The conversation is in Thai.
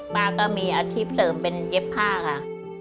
ป้าก็มีอาชีพเสริมเป็นเย็บผ้าค่ะ